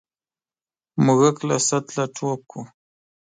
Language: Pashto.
موږک له سطله ټوپ کړ.